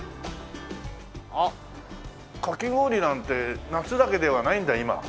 あっかき氷なんて夏だけではないんだ今。